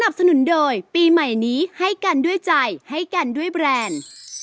สนุนโดยปีใหม่นี้ให้กันด้วยใจให้กันด้วยแบรนด์